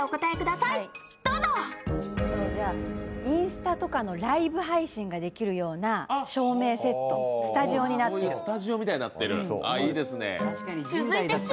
インスタとかのライブ配信ができるような照明セット、スタジオになってる。